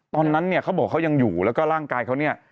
ตอนนั้นเนี่ยเขาบอกเขายังอยู่แล้วก็ร่างกายเขาเนี่ย